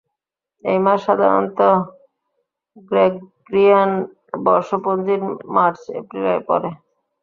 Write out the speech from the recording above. এই মাস সাধারণত গ্রেগরিয়ান বর্ষপঞ্জির মার্চ-এপ্রিলে পড়ে।